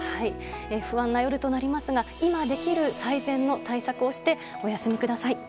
不安な夜となりますが今できる最善の対策をしてお休みください。